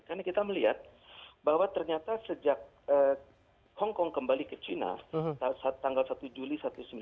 karena kita melihat bahwa ternyata sejak hongkong kembali ke china tanggal satu juli seribu sembilan ratus sembilan puluh tujuh